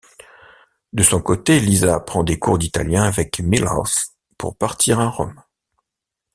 De son côté, Lisa prend des cours d'italien avec Milhouse pour partir à Rome.